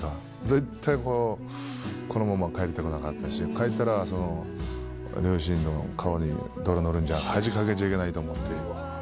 絶対このまま帰りたくなかったし帰ったら両親の顔に泥塗るんじゃ恥かけちゃいけないと思って。